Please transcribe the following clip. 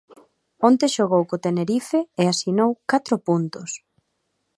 Onte xogou co Tenerife e asinou catro puntos.